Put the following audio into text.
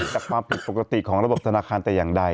จากความผิดปกติของระบบธนาคารแต่อย่างใด